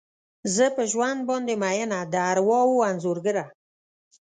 زه په ژوند باندې میینه، د ارواوو انځورګره